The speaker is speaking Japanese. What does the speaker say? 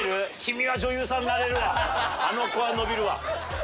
あの子は伸びるわ。